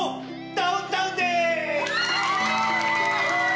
ダウンタウンでーす！